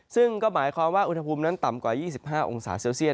ซึ่งก็หมายความว่าอุณหภูมินั้นต่ำกว่า๒๕องศาเซลเซียต